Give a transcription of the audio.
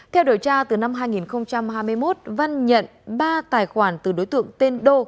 theo đổi tra từ năm hai nghìn hai mươi một văn nhận ba tài khoản từ đối tượng tên đô